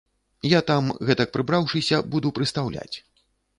Я там, гэтак прыбраўшыся, буду прыстаўляць.